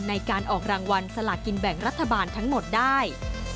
ในการออกรางวัลสลากินแบ่งรัฐบาลทั้งหมดได้